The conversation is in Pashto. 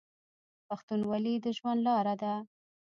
پښتونولي د ژوند لاره ده.